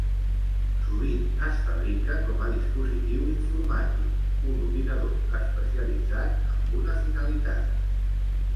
Sovint es fabrica com a dispositiu informàtic: un ordinador especialitzat amb una finalitat.